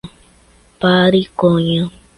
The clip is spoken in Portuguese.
Pariconha